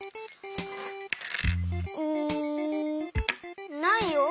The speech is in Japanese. うんないよ。